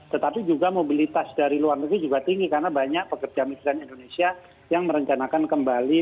tetapi juga mobilitas dari luar negeri juga tinggi karena banyak pekerja migran indonesia yang merencanakan kembali